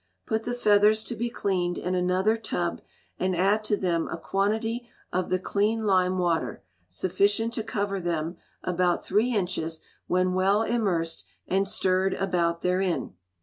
Put the feathers to be cleaned in another tub, and add to them a quantity of the clean lime water, sufficient to cover them about three inches when well immersed and stirred about therein.